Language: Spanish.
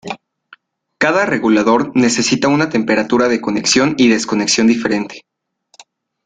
Cada regulador necesita una temperatura de conexión y desconexión diferente.